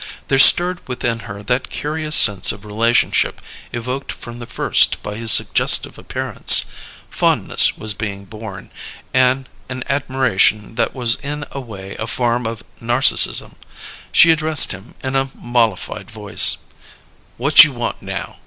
There stirred within her that curious sense of relationship evoked from the first by his suggestive appearance; fondness was being born, and an admiration that was in a way a form of Narcissism. She addressed him in a mollified voice: "Whut you want now?